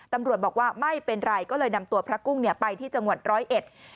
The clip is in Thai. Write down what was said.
ตำรวจบอกว่าไม่เป็นไรก็เลยนำตัวพระกุ้งไปที่จังหวัด๑๐๑